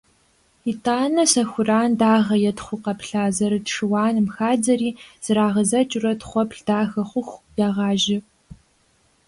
ИтӀанэ сэхуран дагъэ е тхъу къэплъа зэрыт шыуаным хадзэри, зэрагъэдзэкӀыурэ тхъуэплъ дахэ хъуху, ягъажьэ.